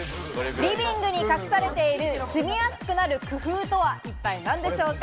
リビングに隠されている住みやすくなる工夫とは一体何でしょうか？